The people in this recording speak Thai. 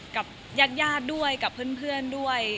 กับญาติด้วยกับเพื่อนด้วย